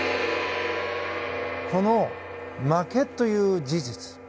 この、負けという事実。